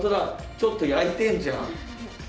ちょっと焼いてんじゃん。